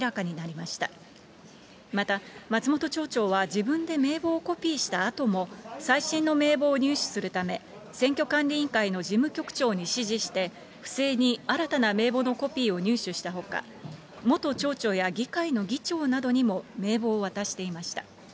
また、松本町長は自分で名簿をコピーしたあとも最新の名簿を入手するため、選挙管理委員会の事務局長に指示して、不正に新たな名簿のコピーを入手したほか、元町長や議会の議長などにも名簿を渡していました。